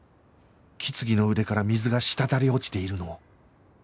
木次の腕から水が滴り落ちているのを